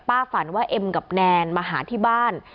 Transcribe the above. ฝันว่าเอ็มกับแนนมาหาที่บ้าน